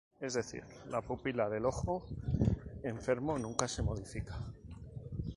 Es decir, la pupila del ojo enfermo nunca se modifica.